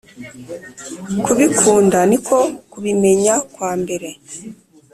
kubikunda niko kubimenya kwambere